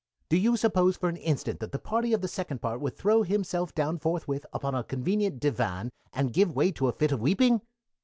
"Do you suppose for an instant that the party of the second part would throw himself down forthwith upon a convenient divan and give way to a fit of weeping?